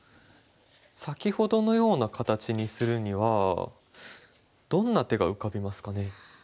先ほどのような形にするにはどんな手が浮かびますかね。